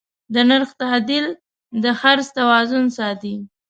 د نرخ تعدیل د خرڅ توازن ساتي.